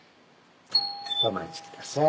・お待ちください。